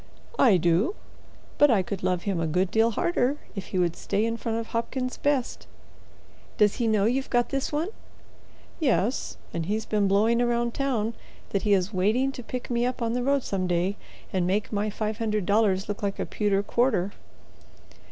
"I do, but I could love him a good deal harder if he would stay in front of Hopkins's best." "Does he know you've got this one?" "Yes, and he's been blowing round town that he is waiting to pick me up on the road some day and make my five hundred dollars look like a pewter quarter."